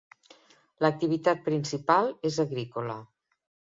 L'activitat principal és agrícola.